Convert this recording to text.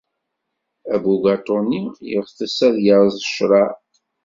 Abugaṭu-nni yeɣtes ad yerẓ ccṛeɛ.